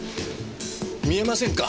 見えませんか？